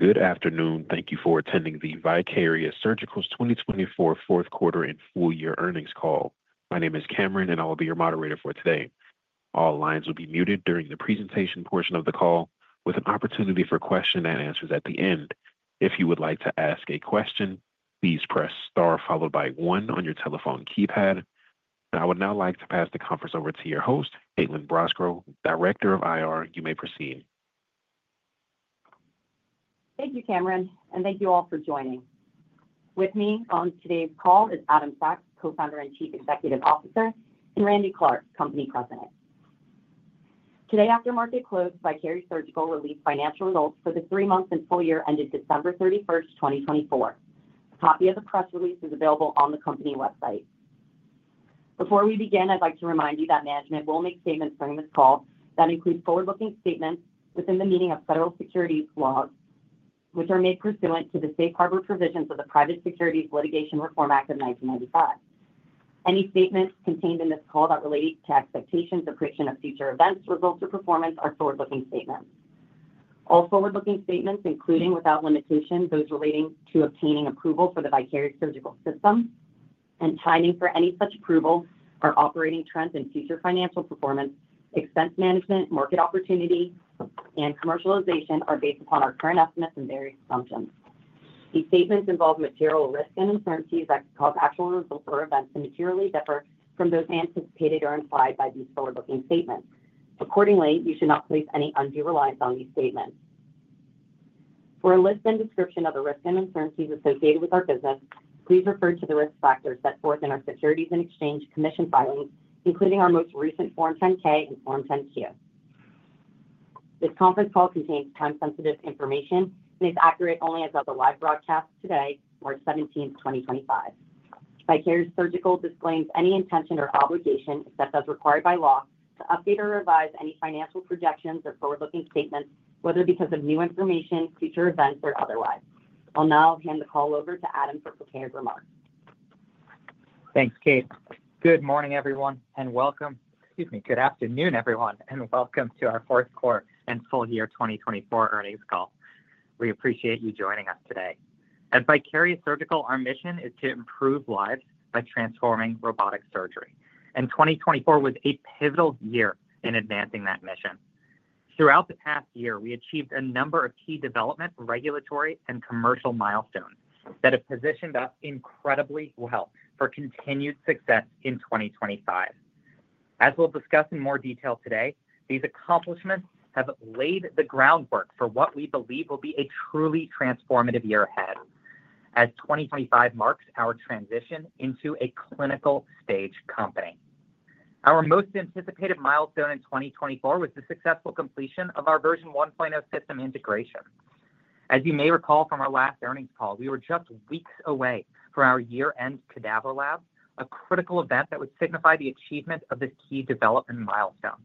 Good afternoon. Thank you for attending the Vicarious Surgical's 2024 Fourth Quarter and Full Year Earnings Call. My name is Cameron, and I'll be your moderator for today. All lines will be muted during the presentation portion of the call, with an opportunity for questions and answers at the end. If you would like to ask a question, please press star followed by 1 on your telephone keypad. I would now like to pass the conference over to your host, Kaitlyn Brosco, Director of IR. You may proceed. Thank you, Cameron, and thank you all for joining. With me on today's call is Adam Sachs, Co-founder and Chief Executive Officer, and Randy Clark, Company President. Today, after market close, Vicarious Surgical released financial results for the three months and full year ended December 31, 2024. A copy of the press release is available on the company website. Before we begin, I'd like to remind you that management will make statements during this call that include forward-looking statements within the meaning of federal securities laws, which are made pursuant to the safe harbor provisions of the Private Securities Litigation Reform Act of 1995. Any statements contained in this call that relate to expectations or prediction of future events, results, or performance are forward-looking statements. All forward-looking statements, including without limitation, those relating to obtaining approval for the Vicarious Surgical System and timing for any such approval, our operating trends and future financial performance, expense management, market opportunity, and commercialization are based upon our current estimates and various assumptions. These statements involve material risks and uncertainties that could cause actual results or events to materially differ from those anticipated or implied by these forward-looking statements. Accordingly, you should not place any undue reliance on these statements. For a list and description of the risks and uncertainties associated with our business, please refer to the risk factors set forth in our Securities and Exchange Commission filings, including our most recent Form 10-K and Form 10-Q. This conference call contains time-sensitive information and is accurate only as of the live broadcast today, March 17th, 2025. Vicarious Surgical disclaims any intention or obligation, except as required by law, to update or revise any financial projections or forward-looking statements, whether because of new information, future events, or otherwise. I'll now hand the call over to Adam for prepared remarks. Thanks, Kate. Good morning, everyone, and welcome—excuse me, good afternoon, everyone, and welcome to our fourth quarter and full year 2024 earnings call. We appreciate you joining us today. At Vicarious Surgical, our mission is to improve lives by transforming robotic surgery, and 2024 was a pivotal year in advancing that mission. Throughout the past year, we achieved a number of key development, regulatory, and commercial milestones that have positioned us incredibly well for continued success in 2025. As we will discuss in more detail today, these accomplishments have laid the groundwork for what we believe will be a truly transformative year ahead, as 2025 marks our transition into a clinical stage company. Our most anticipated milestone in 2024 was the successful completion of our Version 1.0 System integration. As you may recall from our last earnings call, we were just weeks away from our year-end cadaver lab, a critical event that would signify the achievement of this key development milestone.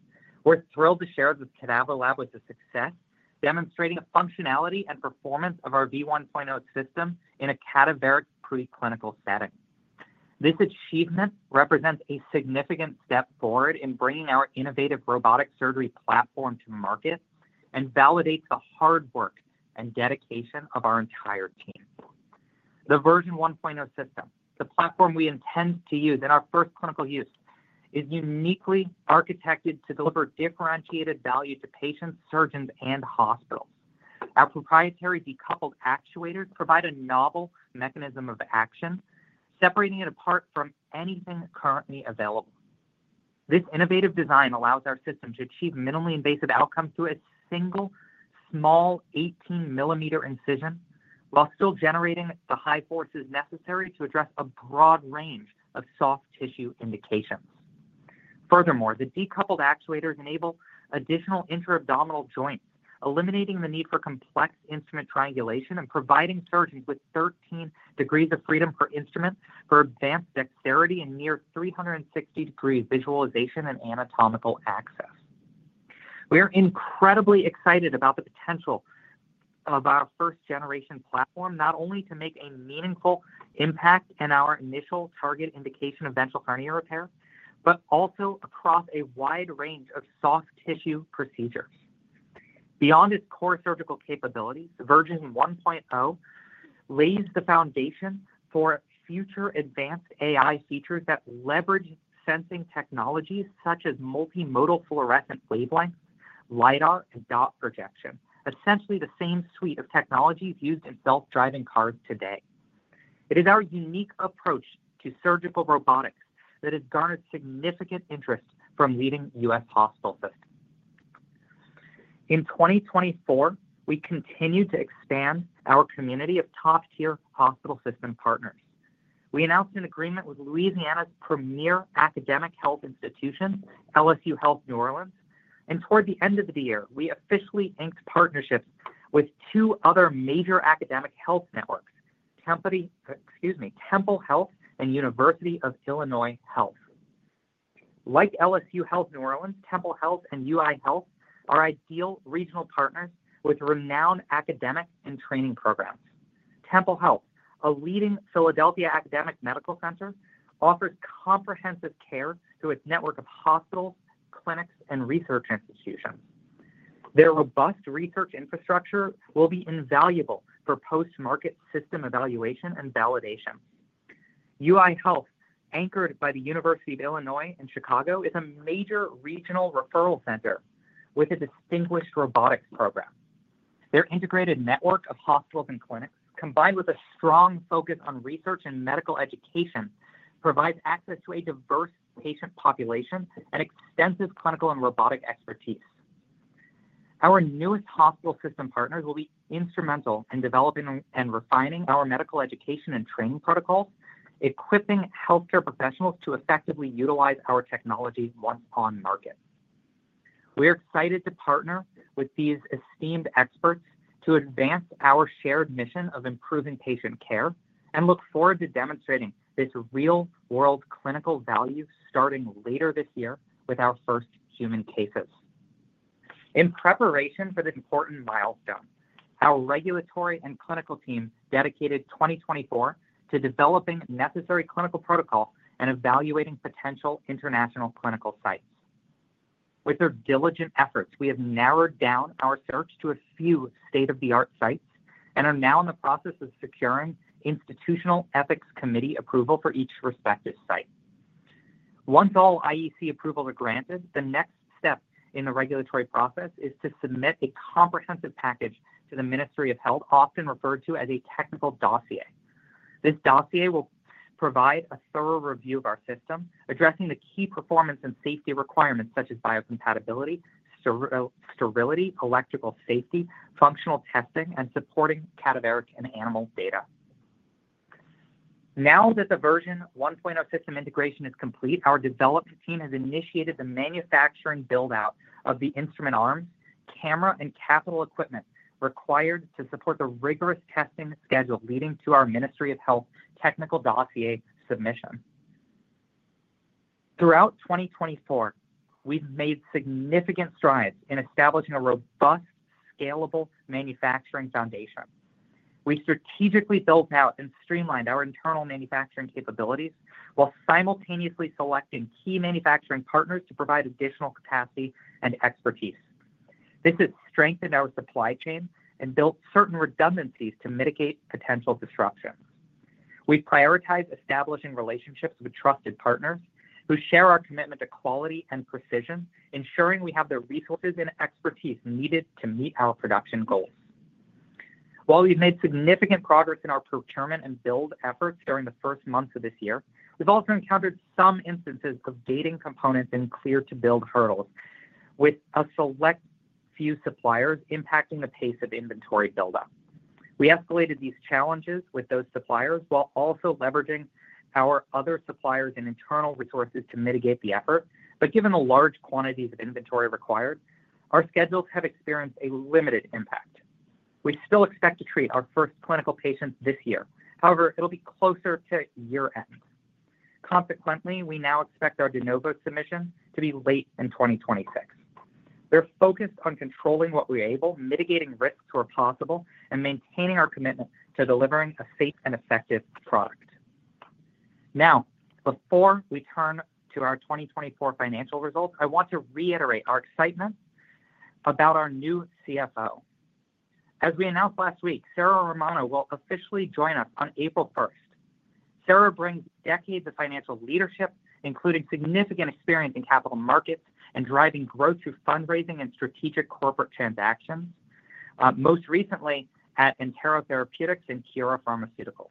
We're thrilled to share that this cadaver lab was a success, demonstrating the functionality and performance of our Version 1.0 System in a cadaveric preclinical setting. This achievement represents a significant step forward in bringing our innovative robotic surgery platform to market and validates the hard work and dedication of our entire team. The Version 1.0 System, the platform we intend to use in our first clinical use, is uniquely architected to deliver differentiated value to patients, surgeons, and hospitals. Our proprietary decoupled actuators provide a novel mechanism of action, separating it apart from anything currently available. This innovative design allows our system to achieve minimally invasive outcomes through a single small 18-millimeter incision, while still generating the high forces necessary to address a broad range of soft tissue indications. Furthermore, the decoupled actuators enable additional intra-abdominal joints, eliminating the need for complex instrument triangulation and providing surgeons with 13 degrees of freedom per instrument for advanced dexterity and near 360-degree visualization and anatomical access. We are incredibly excited about the potential of our first-generation platform, not only to make a meaningful impact in our initial target indication of ventral hernia repair, but also across a wide range of soft tissue procedures. Beyond its core surgical capabilities, Version 1.0 lays the foundation for future advanced AI features that leverage sensing technologies such as multimodal fluorescent wavelengths, LiDAR, and dot projection, essentially the same suite of technologies used in self-driving cars today. It is our unique approach to surgical robotics that has garnered significant interest from leading U.S. hospital systems. In 2024, we continue to expand our community of top-tier hospital system partners. We announced an agreement with Louisiana's premier academic health institution, LSU Health New Orleans, and toward the end of the year, we officially inked partnerships with two other major academic health networks: Temple Health and University of Illinois Health. Like LSU Health New Orleans, Temple Health and UI Health are ideal regional partners with renowned academic and training programs. Temple Health, a leading Philadelphia academic medical center, offers comprehensive care through its network of hospitals, clinics, and research institutions. Their robust research infrastructure will be invaluable for post-market system evaluation and validation. UI Health, anchored by the University of Illinois at Chicago, is a major regional referral center with a distinguished robotics program. Their integrated network of hospitals and clinics, combined with a strong focus on research and medical education, provides access to a diverse patient population and extensive clinical and robotic expertise. Our newest hospital system partners will be instrumental in developing and refining our medical education and training protocols, equipping healthcare professionals to effectively utilize our technology once on market. We are excited to partner with these esteemed experts to advance our shared mission of improving patient care and look forward to demonstrating this real-world clinical value starting later this year with our first human cases. In preparation for this important milestone, our regulatory and clinical team dedicated 2024 to developing necessary clinical protocols and evaluating potential international clinical sites. With their diligent efforts, we have narrowed down our search to a few state-of-the-art sites and are now in the process of securing institutional ethics committee approval for each respective site. Once all IEC approvals are granted, the next step in the regulatory process is to submit a comprehensive package to the Ministry of Health, often referred to as a technical dossier. This dossier will provide a thorough review of our system, addressing the key performance and safety requirements such as biocompatibility, sterility, electrical safety, functional testing, and supporting cadaveric and animal data. Now that the Version 1.0 System integration is complete, our development team has initiated the manufacturing build-out of the instrument arms, camera, and capital equipment required to support the rigorous testing schedule leading to our Ministry of Health technical dossier submission. Throughout 2024, we've made significant strides in establishing a robust, scalable manufacturing foundation. We strategically built out and streamlined our internal manufacturing capabilities while simultaneously selecting key manufacturing partners to provide additional capacity and expertise. This has strengthened our supply chain and built certain redundancies to mitigate potential disruption. We've prioritized establishing relationships with trusted partners who share our commitment to quality and precision, ensuring we have the resources and expertise needed to meet our production goals. While we've made significant progress in our procurement and build efforts during the first months of this year, we've also encountered some instances of gating components and clear-to-build hurdles, with a select few suppliers impacting the pace of inventory build-up. We escalated these challenges with those suppliers while also leveraging our other suppliers and internal resources to mitigate the effort. Given the large quantities of inventory required, our schedules have experienced a limited impact. We still expect to treat our first clinical patients this year. However, it'll be closer to year-end. Consequently, we now expect our de novo submission to be late in 2026. We're focused on controlling what we're able, mitigating risks where possible, and maintaining our commitment to delivering a safe and effective product. Now, before we turn to our 2024 financial results, I want to reiterate our excitement about our new CFO. As we announced last week, Sarah Romano will officially join us on April 1. Sarah brings decades of financial leadership, including significant experience in capital markets and driving growth through fundraising and strategic corporate transactions, most recently at Entero Therapeutics and Kira Pharmaceuticals.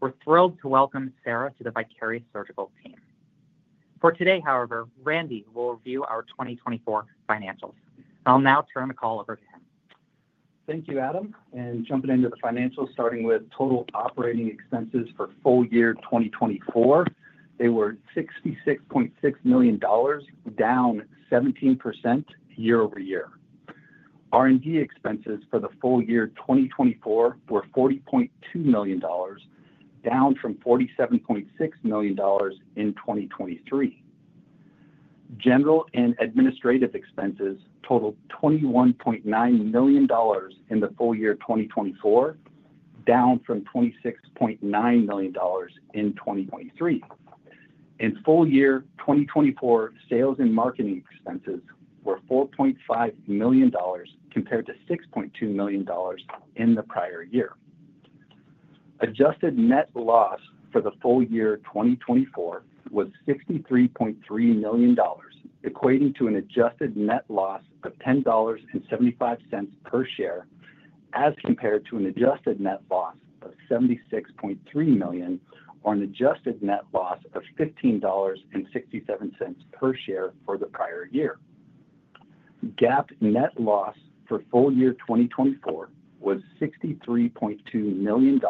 We're thrilled to welcome Sarah to the Vicarious Surgical team. For today, however, Randy will review our 2024 financials. I'll now turn the call over to him. Thank you, Adam. Jumping into the financials, starting with total operating expenses for full year 2024, they were $66.6 million, down 17% year over year. R&D expenses for the full year 2024 were $40.2 million, down from $47.6 million in 2023. General and administrative expenses totaled $21.9 million in the full year 2024, down from $26.9 million in 2023. In full year 2024, sales and marketing expenses were $4.5 million compared to $6.2 million in the prior year. Adjusted net loss for the full year 2024 was $63.3 million, equating to an adjusted net loss of $10.75 per share as compared to an adjusted net loss of $76.3 million or an adjusted net loss of $15.67 per share for the prior year. GAAP net loss for full year 2024 was $63.2 million,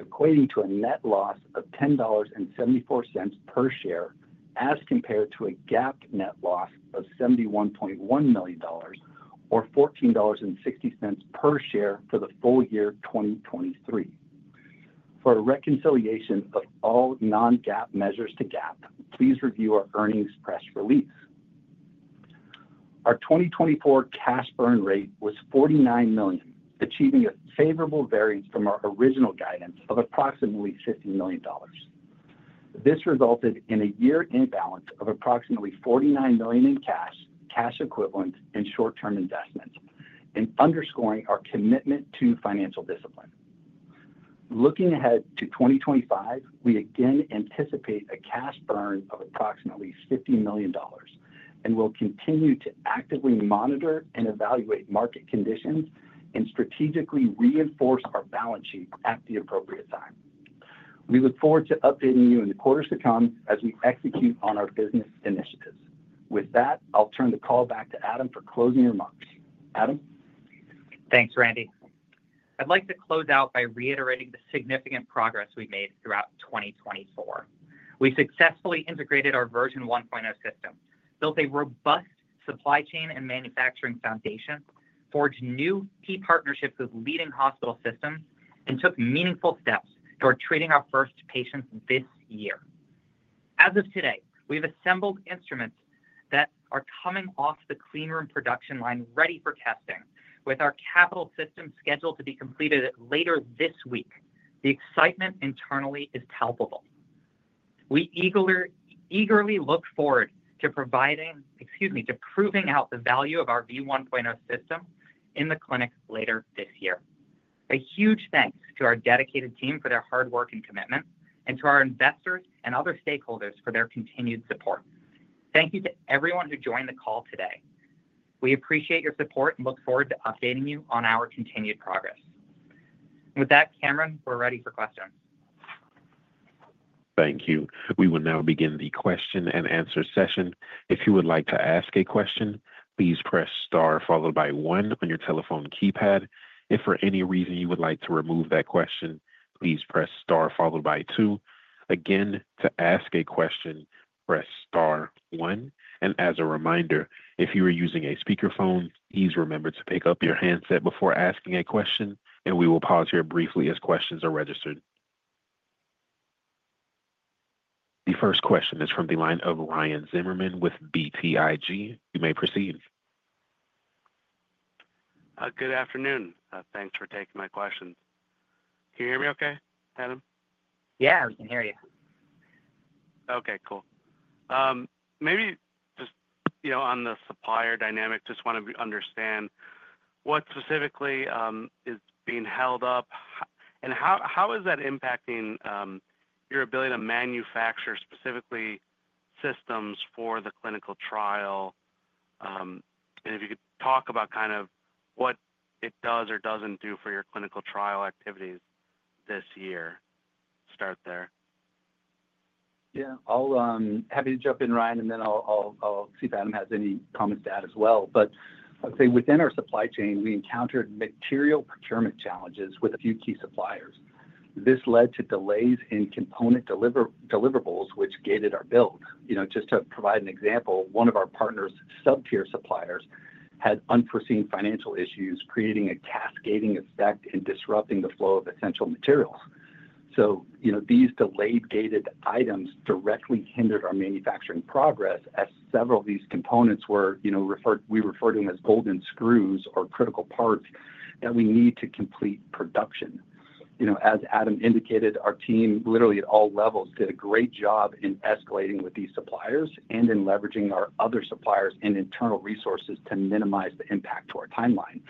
equating to a net loss of $10.74 per share as compared to a GAAP net loss of $71.1 million or $14.60 per share for the full year 2023. For a reconciliation of all non-GAAP measures to GAAP, please review our earnings press release. Our 2024 cash burn rate was $49 million, achieving a favorable variance from our original guidance of approximately $50 million. This resulted in a year-end balance of approximately $49 million in cash, cash equivalents, and short-term investments, and underscoring our commitment to financial discipline. Looking ahead to 2025, we again anticipate a cash burn of approximately $50 million and will continue to actively monitor and evaluate market conditions and strategically reinforce our balance sheet at the appropriate time. We look forward to updating you in the quarters to come as we execute on our business initiatives. With that, I'll turn the call back to Adam for closing remarks. Adam. Thanks, Randy. I'd like to close out by reiterating the significant progress we've made throughout 2024. We successfully integrated our Version 1.0 System, built a robust supply chain and manufacturing foundation, forged new key partnerships with leading hospital systems, and took meaningful steps toward treating our first patients this year. As of today, we've assembled instruments that are coming off the cleanroom production line ready for testing, with our capital system scheduled to be completed later this week. The excitement internally is palpable. We eagerly look forward to proving out the value of our Version 1.0 System in the clinic later this year. A huge thanks to our dedicated team for their hard work and commitment, and to our investors and other stakeholders for their continued support. Thank you to everyone who joined the call today. We appreciate your support and look forward to updating you on our continued progress. With that, Cameron, we're ready for questions. Thank you. We will now begin the question and answer session. If you would like to ask a question, please press star followed by one on your telephone keypad. If for any reason you would like to remove that question, please press star followed by two. Again, to ask a question, press star one. As a reminder, if you are using a speakerphone, please remember to pick up your handset before asking a question, and we will pause here briefly as questions are registered. The first question is from the line of Ryan Zimmerman with BTIG. You may proceed. Good afternoon. Thanks for taking my question. Can you hear me okay, Adam? Yeah, we can hear you. Okay, cool. Maybe just on the supplier dynamic, just want to understand what specifically is being held up and how is that impacting your ability to manufacture specifically systems for the clinical trial? If you could talk about kind of what it does or doesn't do for your clinical trial activities this year, start there. Yeah, I'll be happy to jump in, Ryan, and then I'll see if Adam has any comments to add as well. I'd say within our supply chain, we encountered material procurement challenges with a few key suppliers. This led to delays in component deliverables, which gated our build. To provide an example, one of our partner's sub-tier suppliers had unforeseen financial issues, creating a cascading effect and disrupting the flow of essential materials. These delayed gated items directly hindered our manufacturing progress as several of these components were referred—we refer to them as golden screws or critical parts—that we need to complete production. As Adam indicated, our team literally at all levels did a great job in escalating with these suppliers and in leveraging our other suppliers and internal resources to minimize the impact to our timeline.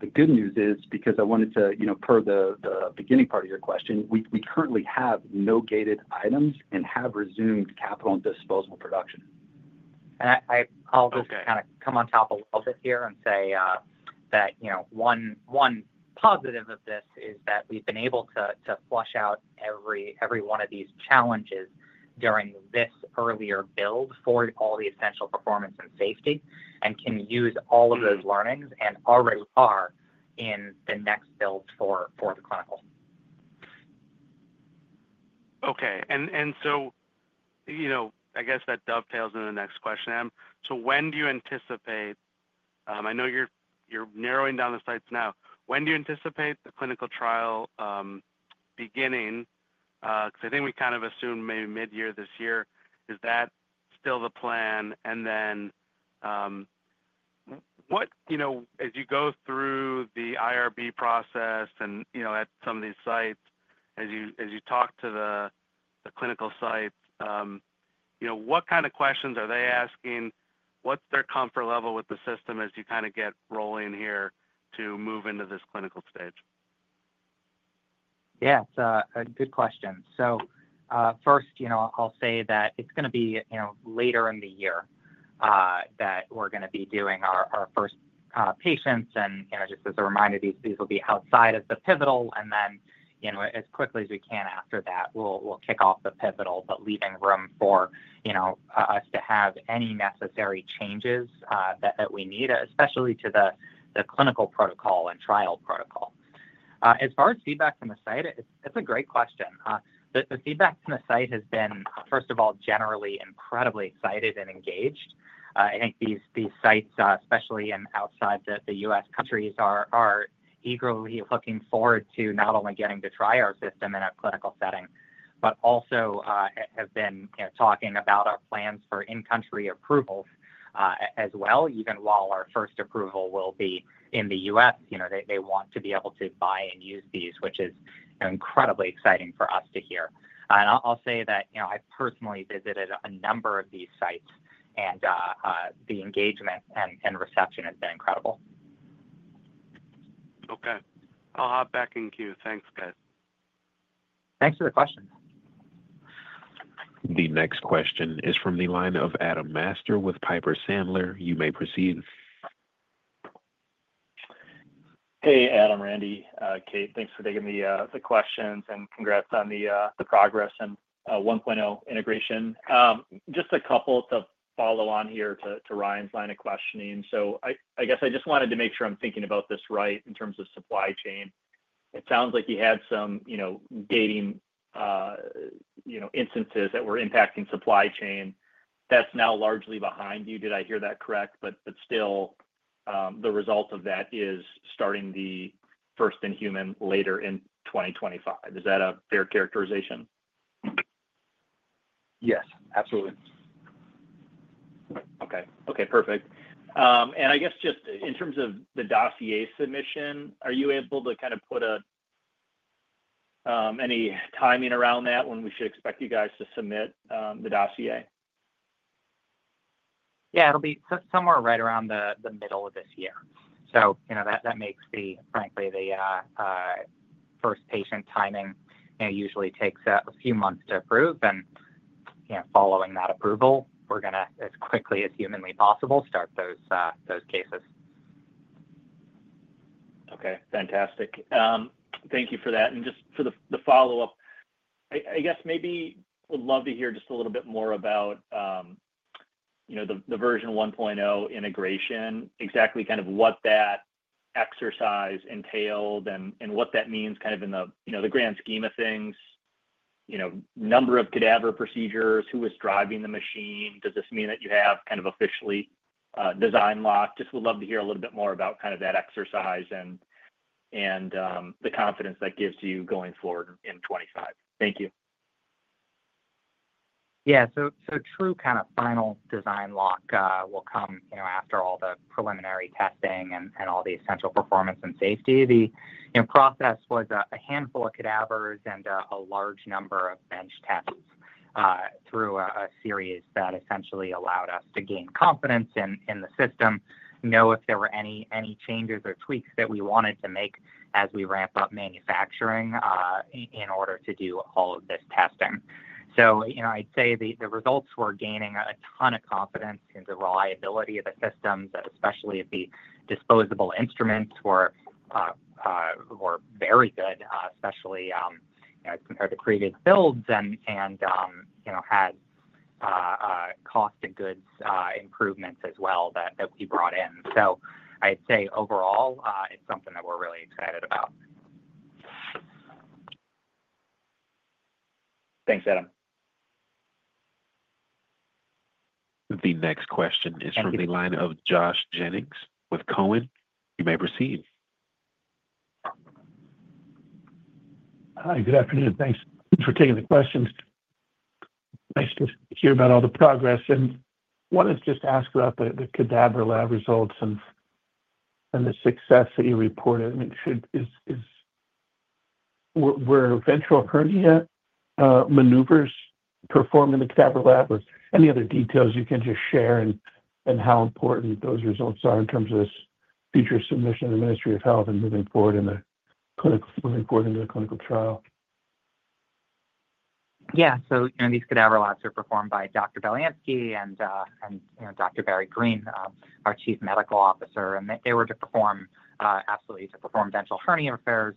The good news is, because I wanted to per the beginning part of your question, we currently have no gated items and have resumed capital and disposable production. I'll just kind of come on top a little bit here and say that one positive of this is that we've been able to flush out every one of these challenges during this earlier build for all the essential performance and safety and can use all of those learnings and already are in the next build for the clinical. Okay. I guess that dovetails into the next question, Adam. When do you anticipate—I know you're narrowing down the sites now—when do you anticipate the clinical trial beginning? I think we kind of assumed maybe mid-year this year. Is that still the plan? As you go through the IRB process and at some of these sites, as you talk to the clinical sites, what kind of questions are they asking? What's their comfort level with the system as you kind of get rolling here to move into this clinical stage? Yeah, it's a good question. First, I'll say that it's going to be later in the year that we're going to be doing our first patients. Just as a reminder, these will be outside of the pivotal. As quickly as we can after that, we'll kick off the pivotal, but leaving room for us to have any necessary changes that we need, especially to the clinical protocol and trial protocol. As far as feedback from the site, it's a great question. The feedback from the site has been, first of all, generally incredibly excited and engaged. I think these sites, especially in outside the U.S. countries, are eagerly looking forward to not only getting to try our system in a clinical setting, but also have been talking about our plans for in-country approvals as well, even while our first approval will be in the U.S. They want to be able to buy and use these, which is incredibly exciting for us to hear. I will say that I personally visited a number of these sites, and the engagement and reception has been incredible. Okay. I'll hop back in queue. Thanks, guys. Thanks for the question. The next question is from the line of Adam Maeder with Piper Sandler. You may proceed. Hey, Adam, Randy, Kate, thanks for taking the questions and congrats on the progress and 1.0 integration. Just a couple to follow on here to Ryan's line of questioning. I just wanted to make sure I'm thinking about this right in terms of supply chain. It sounds like you had some gating instances that were impacting supply chain. That's now largely behind you. Did I hear that correct? Still, the result of that is starting the first in-human later in 2025. Is that a fair characterization? Yes, absolutely. Okay. Okay, perfect. I guess just in terms of the dossier submission, are you able to kind of put any timing around that when we should expect you guys to submit the dossier? Yeah, it'll be somewhere right around the middle of this year. That makes the, frankly, the first patient timing usually takes a few months to approve. Following that approval, we're going to, as quickly as humanly possible, start those cases. Okay. Fantastic. Thank you for that. Just for the follow-up, I guess maybe would love to hear just a little bit more about the Version 1.0 integration, exactly kind of what that exercise entailed and what that means kind of in the grand scheme of things, number of cadaver procedures, who was driving the machine. Does this mean that you have kind of officially design lock? Just would love to hear a little bit more about kind of that exercise and the confidence that gives you going forward in 2025. Thank you. Yeah. True kind of final design lock will come after all the preliminary testing and all the essential performance and safety. The process was a handful of cadavers and a large number of bench tests through a series that essentially allowed us to gain confidence in the system, know if there were any changes or tweaks that we wanted to make as we ramp up manufacturing in order to do all of this testing. I'd say the results were gaining a ton of confidence in the reliability of the systems, especially if the disposable instruments were very good, especially compared to previous builds and had cost of goods improvements as well that we brought in. I'd say overall, it's something that we're really excited about. Thanks, Adam. The next question is from the line of Josh Jennings with Cowen. You may proceed. Hi, good afternoon. Thanks for taking the question. Nice to hear about all the progress. I wanted to just ask about the cadaver lab results and the success that you reported. I mean, were ventral hernia maneuvers performed in the cadaver lab? Any other details you can just share and how important those results are in terms of this future submission to the Ministry of Health and moving forward into the clinical trial? Yeah. These cadaver labs are performed by Dr. Belyansky and Dr. Barry Greene, our Chief Medical Officer. They were to perform ventral hernia repairs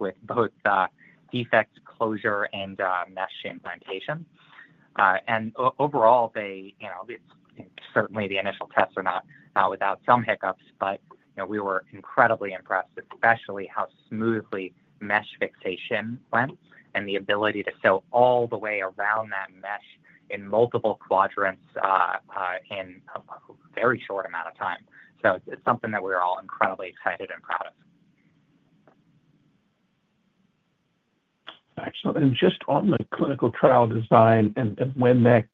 with both defect closure and mesh implantation. Overall, certainly the initial tests are not without some hiccups, but we were incredibly impressed, especially how smoothly mesh fixation went and the ability to sew all the way around that mesh in multiple quadrants in a very short amount of time. It is something that we're all incredibly excited and proud of. Excellent. Just on the clinical trial design and when that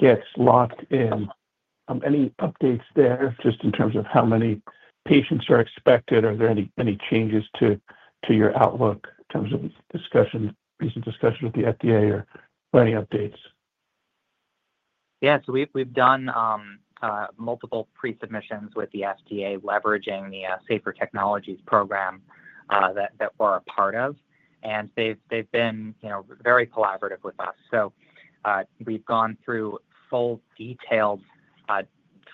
gets locked in, any updates there just in terms of how many patients are expected? Are there any changes to your outlook in terms of discussion, recent discussion with the FDA or any updates? Yeah. We have done multiple pre-submissions with the FDA leveraging the Safer Technologies Program that we are a part of. They have been very collaborative with us. We have gone through full detailed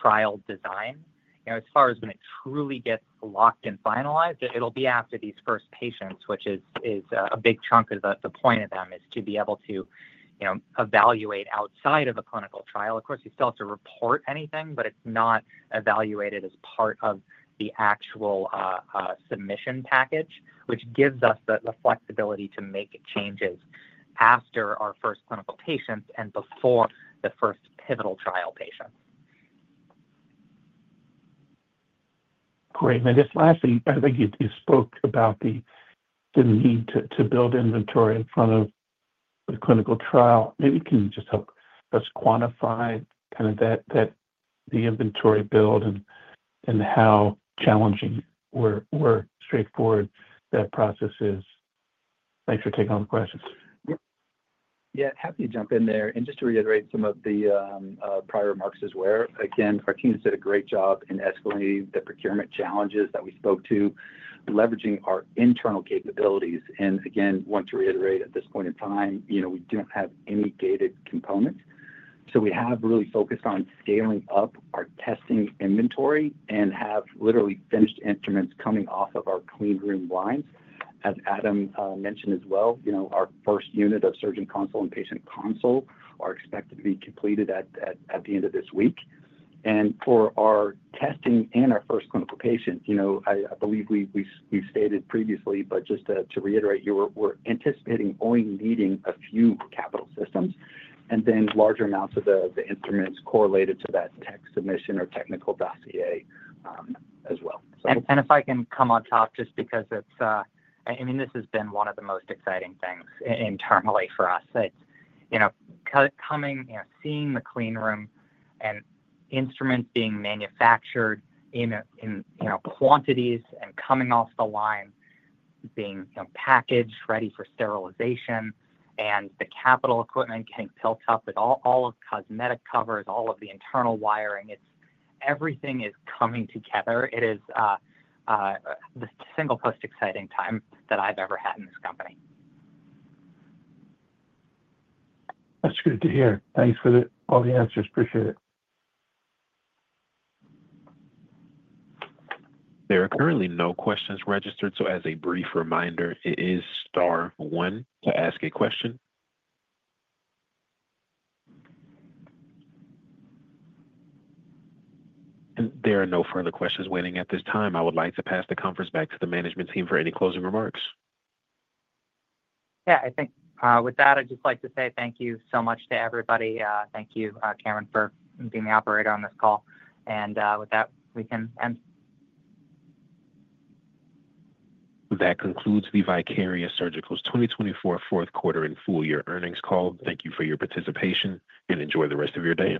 trial design. As far as when it truly gets locked and finalized, it will be after these first patients, which is a big chunk of the point of them, to be able to evaluate outside of a clinical trial. Of course, you still have to report anything, but it is not evaluated as part of the actual submission package, which gives us the flexibility to make changes after our first clinical patients and before the first pivotal trial patients. Great. Just lastly, I think you spoke about the need to build inventory in front of the clinical trial. Maybe can you just help us quantify kind of the inventory build and how challenging or straightforward that process is? Thanks for taking all the questions. Yeah. Happy to jump in there. Just to reiterate some of the prior remarks as well. Again, our team has done a great job in escalating the procurement challenges that we spoke to, leveraging our internal capabilities. Again, want to reiterate at this point in time, we do not have any gated components. We have really focused on scaling up our testing inventory and have literally finished instruments coming off of our clean room lines. As Adam mentioned as well, our first unit of surgeon console and patient console are expected to be completed at the end of this week. For our testing and our first clinical patients, I believe we stated previously, but just to reiterate, we are anticipating only needing a few capital systems and then larger amounts of the instruments correlated to that tech submission or technical dossier as well. If I can come on top just because it's, I mean, this has been one of the most exciting things internally for us. Coming, seeing the clean room and instruments being manufactured in quantities and coming off the line, being packaged, ready for sterilization, and the capital equipment getting built up with all of the cosmetic covers, all of the internal wiring. Everything is coming together. It is the single most exciting time that I've ever had in this company. That's good to hear. Thanks for all the answers. Appreciate it. There are currently no questions registered. As a brief reminder, it is star one to ask a question. There are no further questions waiting at this time. I would like to pass the conference back to the management team for any closing remarks. Yeah. With that, I'd just like to say thank you so much to everybody. Thank you, Cameron, for being the operator on this call. With that, we can end. That concludes the Vicarious Surgical's 2024 Fourth Quarter and Full Year Earnings Call. Thank you for your participation and enjoy the rest of your day.